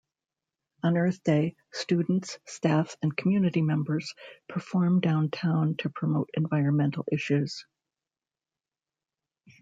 On earth day, students, staff, and community members perform downtown to promote environmental issues.